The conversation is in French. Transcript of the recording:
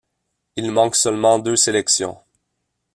Il manque seulement deux sélections.